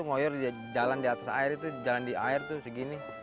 ngoyor jalan di atas air itu jalan di air tuh segini